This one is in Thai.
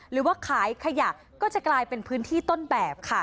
หรือว่าขายขยะก็จะกลายเป็นพื้นที่ต้นแบบค่ะ